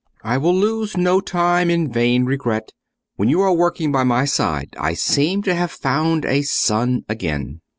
I will lose no time in vain regret. When you are working by my side I seem to have found a son again."